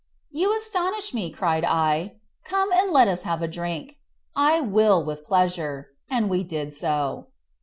"You astonish me," cried I; "come and let us have a drink." "I will, with pleasure," and we did so.